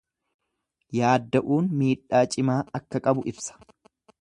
Yaadda'uun miidhaa cimaa akka qabu ibsa.